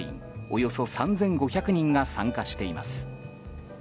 およそ３５００人が参加しています。